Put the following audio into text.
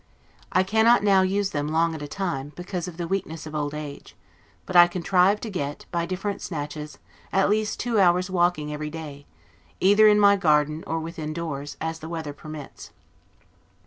I cannot now use them long at a time, because of the weakness of old age; but I contrive to get, by different snatches, at least two hours' walking every day, either in my garden or within doors, as the weather permits.